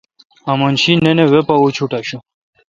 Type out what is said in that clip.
امن شی نِن اے وے پا اچوٹ آݭوں۔